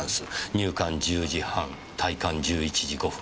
入館１０時半退館１１時５分」。